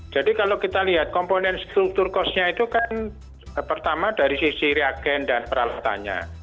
jadi kalau kita lihat komponen struktur kosnya itu kan pertama dari sisi reagen dan peralatannya